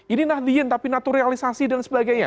ini nahdien tapi naturalisasi dan sebagainya